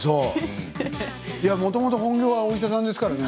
もともと本業はお医者さんですからね。